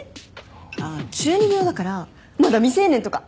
あっ厨二病だからまだ未成年とか？